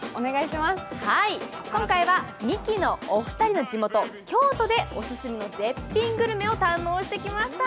今回はミキのお二人の地元京都で絶品グルメを堪能してきました。